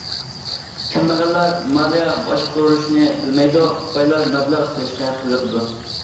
كەمبەغەللەر مالىيە باشقۇرۇشنى بىلمەيدۇ، بايلار مەبلەغ سېلىشقا قىزىقىدۇ.